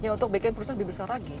ya untuk bikin perusahaan lebih besar lagi